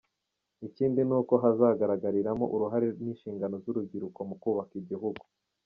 Ikindi ni uko hazagaragariramo uruhare n’inshingano z’urubyiruko mu kubaka igihugu.